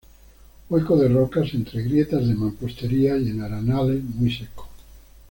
Huecos de rocas, entre grietas de mampostería y en arenales muy secos.